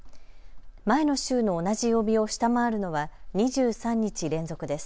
前の週の同じ曜日を下回るのは２３日連続です。